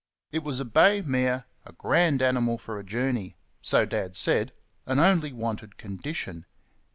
It was a bay mare, a grand animal for a journey so Dad said and only wanted condition.